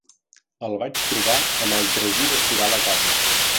El vaig trobar amb el tragí d'estorar la casa.